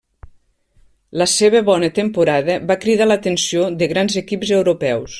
La seva bona temporada va cridar l'atenció de grans equips europeus.